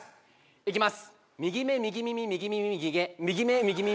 いきます